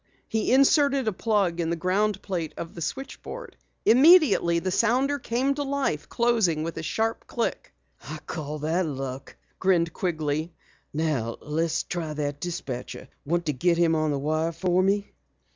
He inserted a plug in the groundplate of the switchboard. Immediately the sounder came to life, closing with a sharp click. "I call that luck!" grinned Quigley. "Now let's try that dispatcher. Want to get him on the wire for me?"